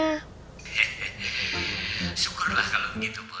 hehehe syukurlah kalau begitu pur